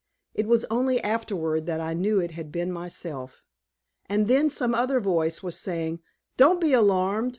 It was only afterward that I knew it had been myself. And then some other voice was saying, "Don't be alarmed.